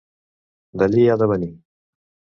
D'allí ha de venir.